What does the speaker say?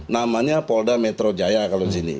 namanya polda metro jaya kalau di sini